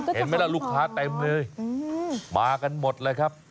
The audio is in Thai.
เห็นไหมล่ะลูกค้าเต็มเลยมากันหมดเลยครับ